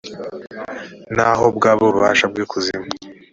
naho bwaba ububasha bw’ikuzimu